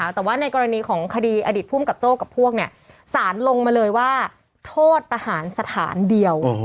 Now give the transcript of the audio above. แต่ว่าในกรณีของคดีอดีตภูมิกับโจ้กับพวกเนี่ยสารลงมาเลยว่าโทษประหารสถานเดียว